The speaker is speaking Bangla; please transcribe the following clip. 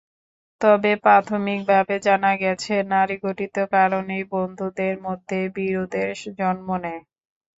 তবে প্রাথমিকভাবে জানা গেছে, নারীঘটিত কারণেই বন্ধুদের মধ্যে বিরোধের জন্ম নেয়।